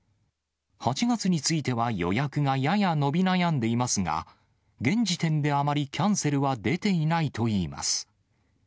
８月については予約がやや伸び悩んでいますが、現時点であまりキャンセルは出ていないといいます。